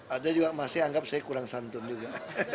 ada juga masih anggap saya kurang santun juga